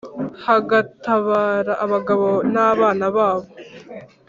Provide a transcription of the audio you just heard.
hagatabara abagabo nabana babo